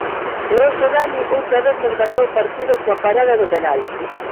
E hoxe Dani outra vez nos gañou o partido coa parada do penalti.